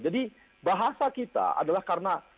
jadi bahasa kita adalah karena